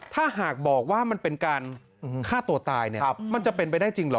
ถ้าหากบอกว่ามันเป็นการฆ่าตัวตายเนี่ยมันจะเป็นไปได้จริงเหรอ